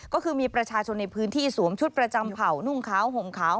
ก็คือมีประชาชนในพื้นที่สวมชุดประจำเผ่านุ่งขาวห่มขาว